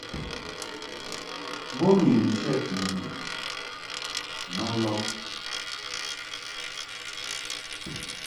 Bo ni ŋkɛd nduʼ ma lɔb.